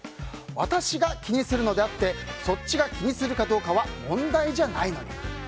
私が気にするのであってそっちが気にするかどうかは問題じゃないのに。